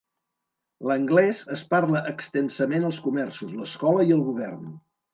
L'anglès es parla extensament als comerços, l'escola i el govern.